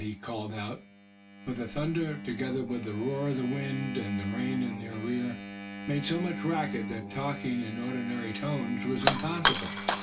he called out; for the thunder, together with the roar of the wind, and the rain, in their rear, made so much racket, that talking in ordinary tones was impossible.